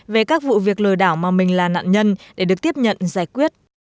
về các vụ việc lừa đảo mà mình là nạn nhân để được tiếp nhận giải quyết